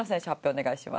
お願いします。